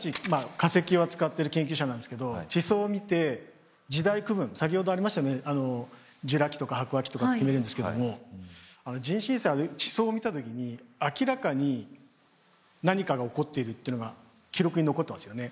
化石を扱ってる研究者なんですけど地層を見て時代区分先ほどありましたよねジュラ紀とか白亜紀とかって言えるんですけども人新世は地層を見た時に明らかに何かが起こってるっていうのが記録に残ってますよね。